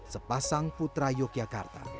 sepasang putra yogyakarta